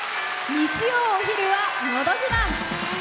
日曜お昼は「のど自慢」。